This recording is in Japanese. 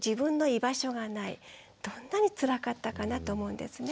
どんなにつらかったかなと思うんですね。